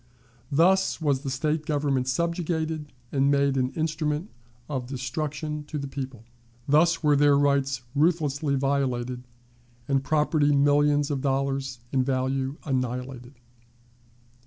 Thus was the State government subjugated and made an instrument of destruction to the people; thus were their rights ruthlessly violated, and property millions of dollars in value annihilated.